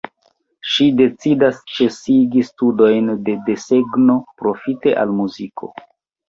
Ŝi decidas ĉesigi studojn de desegno profite al muziko.